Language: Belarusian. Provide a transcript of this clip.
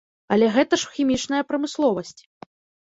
Але гэта ж хімічная прамысловасць.